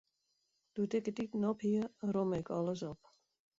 Doe't ik it iten op hie, romme ik alles op.